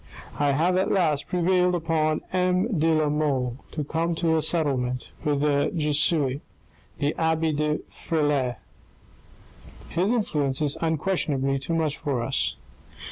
" I have at last prevailed upon M. de la Mole to come to a settlement with that Jesuit, the abbe de Frilair. His influence is un questionably too much for us.